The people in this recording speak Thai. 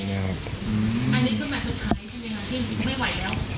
อันนี้คือแมทสุดท้ายใช่ไหมคะที่ไม่ไหวแล้ว